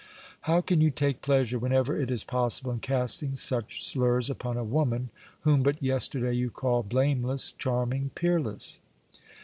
"How can you take pleasure, whenever it is possible, in casting such slurs upon a woman, whom but yesterday you called blameless, charming, peerless?"